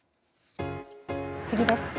次です。